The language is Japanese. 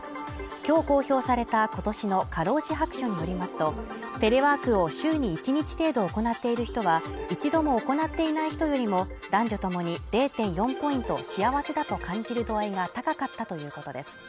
きょう公表されたことしの過労死白書によりますとテレワークを週に１日程度行っている人は１度も行っていない人よりも男女ともに０．４ポイント幸せだと感じる度合いが高かったということです